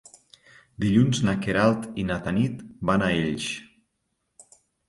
Dilluns na Queralt i na Tanit van a Elx.